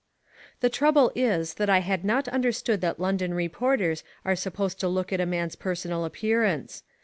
The trouble is that I had not understood that London reporters are supposed to look at a man's personal appearance.